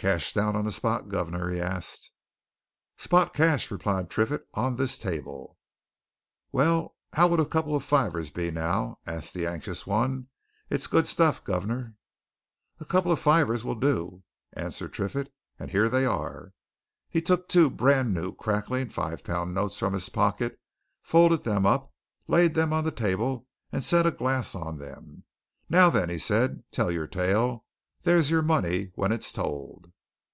"Cash down on the spot, guv'nor?" he asked. "Spot cash," replied Triffitt. "On this table!" "Well how would a couple o' fivers be, now?" asked the anxious one. "It's good stuff, guv'nor." "A couple of fivers will do," answered Triffitt. "And here they are." He took two brand new, crackling five pound notes from his pocket, folded them up, laid them on the table, and set a glass on them. "Now, then!" he said. "Tell your tale there's your money when it's told."